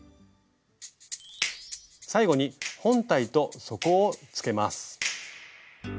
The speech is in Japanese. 最後に本体と底をつけます。